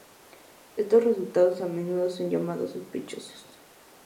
Estos resultados a menudo son llamados "sospechosos".